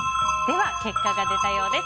結果が出たようです。